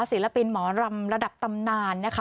ศิลปินหมอรำระดับตำนานนะคะ